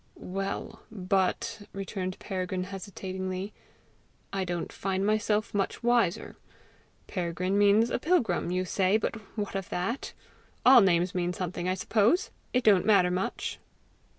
"Well, but," returned Peregrine, hesitatingly, "I don't find myself much wiser. Peregrine means a pilgrim, you say, but what of that? All names mean something, I suppose! It don't matter much."